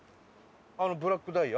あのブラックダイヤ？